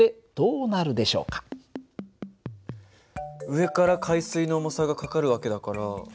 上から海水の重さがかかる訳だから。